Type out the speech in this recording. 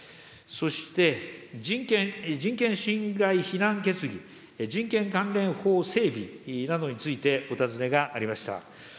そして、人権侵害非難決議、人権関連法整備などについてお尋ねがありました。